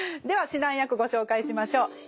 では指南役ご紹介しましょう。